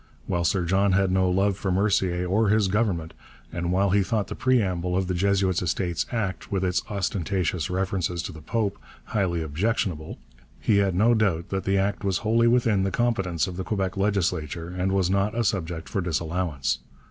While Sir John had no love for Mercier or his Government, and while he thought the preamble of the Jesuits' Estates Act, with its ostentatious references to the Pope, highly objectionable, he had no doubt that the Act was wholly within the competence of the Quebec legislature and was not a subject for disallowance.